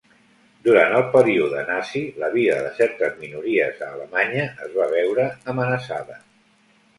Durant el període nazi, la vida de certes minories a Alemanya es va veure amenaçada.